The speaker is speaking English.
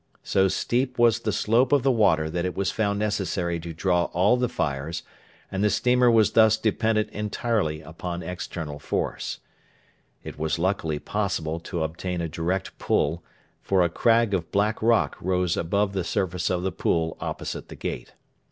So steep was the slope of the water that it was found necessary to draw all the fires, and the steamer was thus dependent entirely upon external force. It was luckily possible to obtain a direct pull, for a crag of black rock rose above the surface of the pool opposite the 'Gate.'